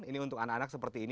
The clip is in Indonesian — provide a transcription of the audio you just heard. ini untuk anak anak seperti ini